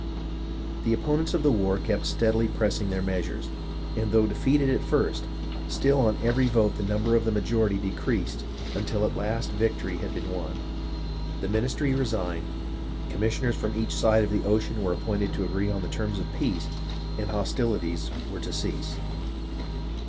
The opponents of the war kept steadily pressing their measures; and though defeated at first, still on every vote the number of the majority decreased, until at last the victory had been won, the min istry resigned, commissioners from each side of the ocean were appointed to agree on the terms of peace, and hostili ties were to cease.